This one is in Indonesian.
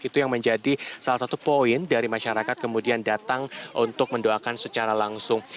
itu yang menjadi salah satu poin dari masyarakat kemudian datang untuk mendoakan secara langsung